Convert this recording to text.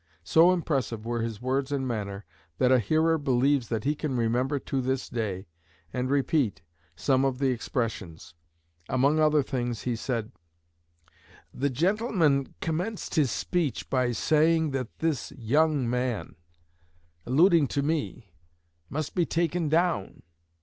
So impressive were his words and manner that a hearer believes that he can remember to this day, and repeat, some of the expressions. Among other things, he said: 'The gentleman commenced his speech by saying that this young man alluding to me must be taken down.